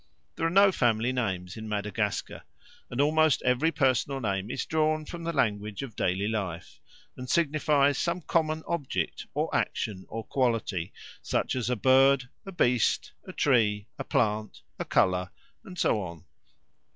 There are no family names in Madagascar, and almost every personal name is drawn from the language of daily life and signifies some common object or action or quality, such as a bird, a beast, a tree, a plant, a colour, and so on.